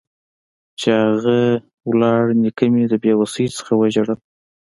چې اغه لاړ نيکه مې د بې وسۍ نه وژړل.